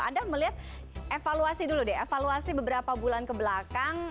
anda melihat evaluasi dulu deh evaluasi beberapa bulan kebelakang